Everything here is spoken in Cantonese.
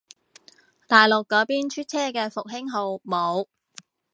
大陸嗰邊出車嘅復興號冇